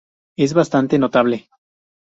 Es bastante notable.